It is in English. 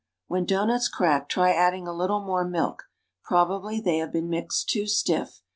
When doughnuts crack, try adding a little more milk; prob ably they have been mixed too stiff.